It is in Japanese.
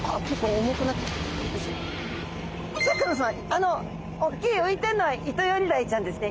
あのおっきい浮いてんのはイトヨリダイちゃんですね。